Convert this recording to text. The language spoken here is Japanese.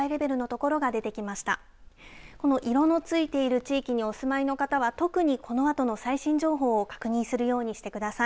この色のついている地域にお住まいの方は特に、このあとの最新情報を確認するようにしてください。